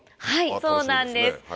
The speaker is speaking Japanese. はいそうなんです。